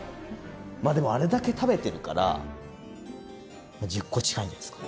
まあでもあれだけ食べてるから１０個近いんですか？